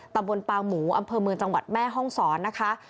ตำบลปางหมูอำเภอเมืองจังหวัดแม่ห้องศรนะคะ